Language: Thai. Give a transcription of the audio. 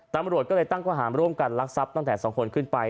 ตำรวจก็เลยตั้งข้อหารร่วมกันลักทรัพย์ตั้งแต่๒คนขึ้นไป